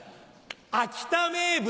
秋田名物